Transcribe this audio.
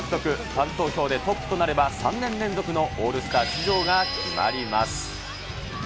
ファン投票でトップとなれば、３年連続のオールスター出場が決まります。